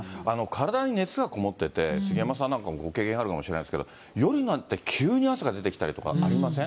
体に熱がこもってて、杉山さんなんかもご経験あるかもしれませんけど、夜なんて急に汗が出てきたりとかありません？